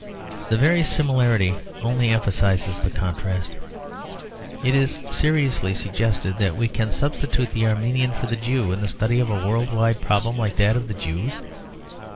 The very similarity only emphasises the contrast. Is it seriously suggested that we can substitute the Armenian for the Jew in the study of a world wide problem like that of the Jews?